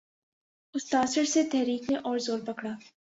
اس تاثر سے تحریک نے اور زور پکڑا۔